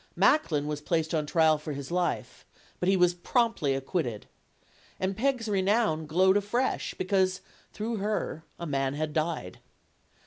Macklin was placed on trial for his life. But he was promptly acquitted. And Peg's renown glowed afresh, because, through her, a man had died.